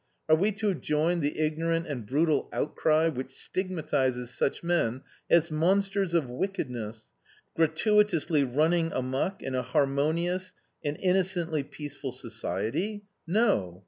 Are we to join the ignorant and brutal outcry which stigmatizes such men as monsters of wickedness, gratuitously running amuck in a harmonious and innocently peaceful society? No!